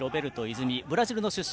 泉はブラジル出身。